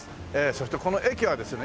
そしてこの駅はですね